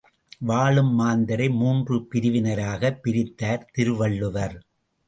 வாழும் மாந்தரை மூன்று பிரிவினராகப் பிரித்தார் திருவள்ளுவர்.